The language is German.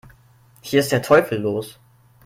Hier ist der Teufel los!